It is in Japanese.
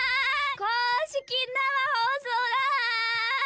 公式生放送だー！